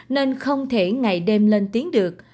nên không thể ngày đêm lên tiếng được